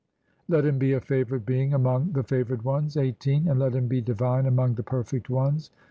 Let him be a favoured being among "the favoured ones, (18) and let him be divine among "the perfect ones.